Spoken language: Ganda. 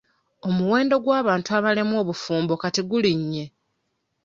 Omuwendo gw'abantu abalemwa obufumbo kati gulinnye.